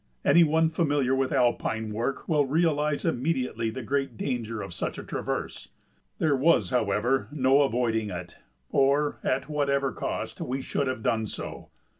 Any one familiar with Alpine work will realize immediately the great danger of such a traverse. There was, however, no avoiding it, or, at whatever cost, we should have done so.